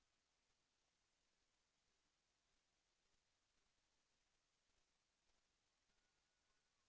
แสวได้ไงของเราก็เชียนนักอยู่ค่ะเป็นผู้ร่วมงานที่ดีมาก